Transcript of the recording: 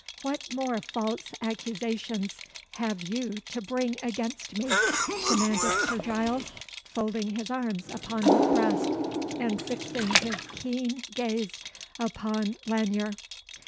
"What more false accusations have you to bring against me?" demanded Sir Giles, folding his arms upon his breast, and fixing his keen gaze upon Lanyere.